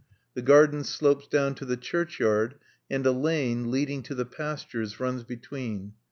The garden slopes down to the churchyard, and a lane, leading to the pastures, runs between.